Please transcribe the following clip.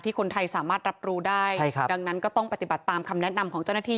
คนไทยสามารถรับรู้ได้ใช่ครับดังนั้นก็ต้องปฏิบัติตามคำแนะนำของเจ้าหน้าที่